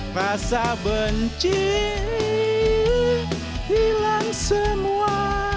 rasa benci hilang semua